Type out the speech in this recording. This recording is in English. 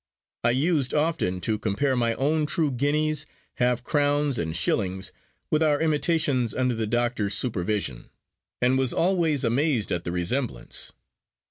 I used often to compare my own true guineas, half crowns and shillings with our imitations under the doctor's supervision, and was always amazed at the resemblance.